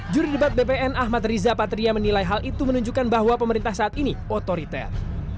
juri debat bpn ahmad riza patria menilai hal itu menunjukkan bahwa pemerintah saat ini otoriter